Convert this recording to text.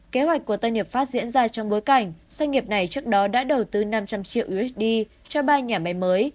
kế hoạch của tân hiệp pháp diễn ra trong bối cảnh doanh nghiệp này trước đó đã đầu tư năm trăm linh triệu usd cho ba nhà máy mới